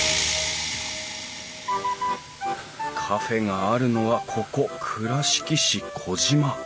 カフェがあるのはここ倉敷市児島。